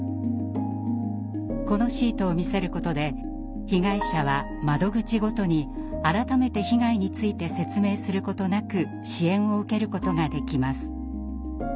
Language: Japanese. このシートを見せることで被害者は窓口ごとに改めて被害について説明することなく支援を受けることができます。